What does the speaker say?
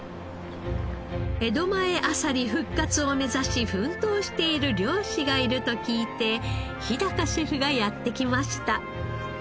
江戸前あさり復活を目指し奮闘している漁師がいると聞いて日シェフがやって来ました。